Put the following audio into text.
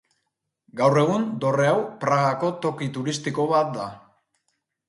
Gaur egun, dorre hau, Pragako toki turistiko bat da.